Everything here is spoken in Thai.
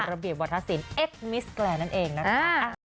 คุณระเบียบวัตถสินเอ็กซ์มิสแกแลนด์นั่นเองนะครับ